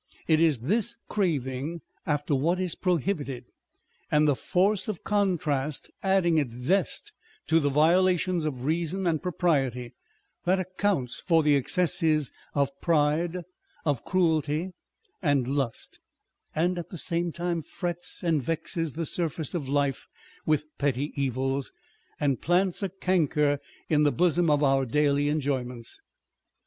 It is this craving after what is prohibited, and the force of contrast adding its zest to the violations of reason and propriety, that accounts for the excesses of pride, of cruelty, and lust ; and at the same time frets and vexes the surface of life with petty evils, and plants a canker in the bosom of our daily enjoyments.